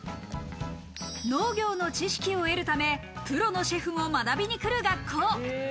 農業の知識を得るため、プロのシェフも学びに来る学校。